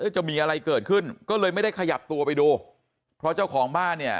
จะมีอะไรเกิดขึ้นก็เลยไม่ได้ขยับตัวไปดูเพราะเจ้าของบ้านเนี่ย